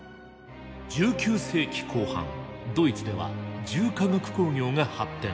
１９世紀後半ドイツでは重化学工業が発展。